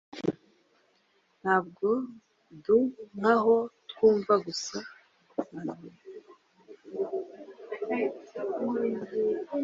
Ntabwo dua nkaho twumva gua, ahubwo tubona, imico